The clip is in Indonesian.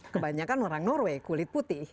kebanyakan orang norway kulit putih